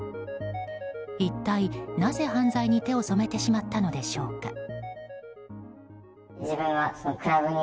一体なぜ、犯罪に手を染めてしまったのでしょうか。